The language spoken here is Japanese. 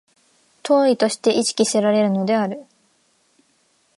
当為として意識せられるのである。